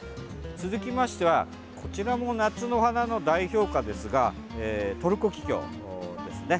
続きましてはこちらも夏の花の代表花ですがトルコギキョウですね。